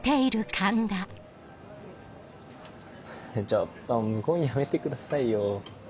ちょっと無言やめてくださいよ。